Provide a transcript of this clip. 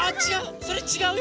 それちがうよ！